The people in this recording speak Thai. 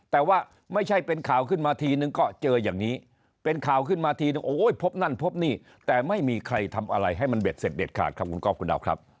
แต่ว่าไม่ใช่เป็นข่าวขึ้นมาทีนึงก็เจออย่างนี้เป็นข่าวขึ้นมาทีนึงโอ้ยพบนั่นพบนี่แต่ไม่มีใครทำอะไรให้มันเด็ดเสร็จเด็ดขาดครับคุณก๊อฟคุณดาวครับ